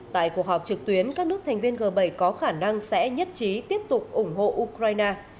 tại cuộc họp trực tuyến các nước thành viên g bảy có khả năng sẽ nhất trí tiếp tục ủng hộ ukraine